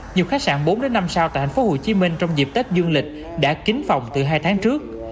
nhiều khách sạn bốn năm sao tại thành phố hồ chí minh trong dịp tết du lịch đã kín phòng từ hai tháng trước